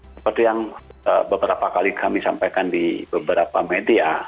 seperti yang beberapa kali kami sampaikan di beberapa media